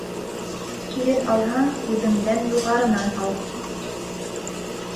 Килен алһаң үҙеңдән юғарынан ал